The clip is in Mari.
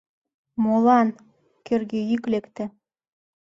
Молан? — кӧргӧ йӱк лекте.